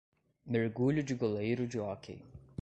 Mergulho de goleiro de hóquei